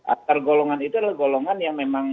antar golongan itu adalah golongan yang memang